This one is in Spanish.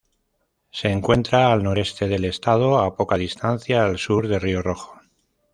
Se encuentra al noreste del estado, a poca distancia al sur del río Rojo.